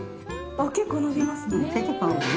結構伸びますね。